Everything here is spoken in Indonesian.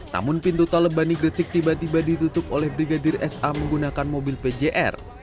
namun pintu tol lebani gresik tiba tiba ditutup oleh brigadir sa menggunakan mobil pjr